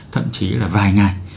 thậm chí là vài ngày